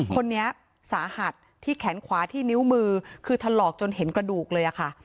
คนนี้สาหัสที่แขนขวาที่นิ้วมือคือถลอกจนเห็นกระดูกเลยค่ะ